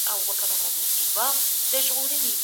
په جرګو کي د متخصصینو او پوهانو ګډون د پریکړو دقت زیاتوي.